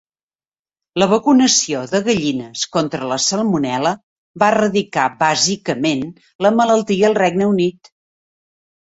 La vacunació de gallines contra la salmonel·la va eradicar bàsicament la malaltia al Regne Unit.